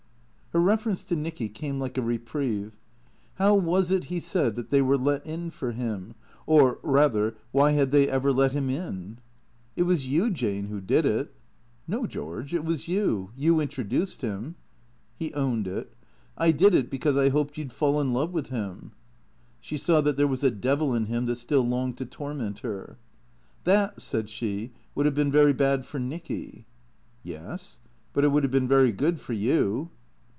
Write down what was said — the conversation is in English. Her reference to Nicky came like a reprieve. How was it, he said, that they were let in for him ? Or rather, why had they ever let him in ?" It was you, Jane, who did it." " No, George ; it was you. You introduced him." He owned it. " I did it because I hoped you 'd fall in love with him." She saw that there was a devil in him that still longed to torment her. " That," said she, " would have been very bad for Nicky." " Yes. But it would have been very good for you."